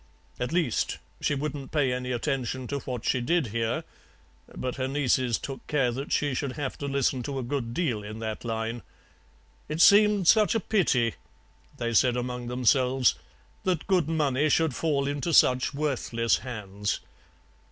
At least, she wouldn't pay any attention to what she did hear, but her nieces took care that she should have to listen to a good deal in that line. It seemed such a pity, they said among themselves, that good money should fall into such worthless hands.